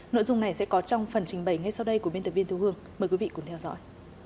nội dung này sẽ có trong phần trình bày ngay sau đây của biên tập viên thu hương mời quý vị cùng theo dõi